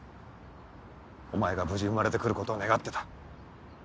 お前が無事生まれて来ることを願ってた。